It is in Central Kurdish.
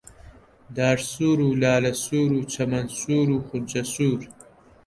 دار سوور و لالە سوور و چەمەن سوور و خونچە سوور